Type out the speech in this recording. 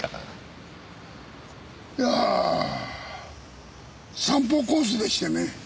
いやあ散歩コースでしてね。